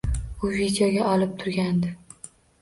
U videoga olib turgandi.